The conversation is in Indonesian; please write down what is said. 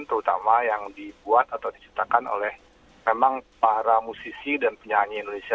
terutama yang dibuat atau diciptakan oleh memang para musisi dan penyanyi indonesia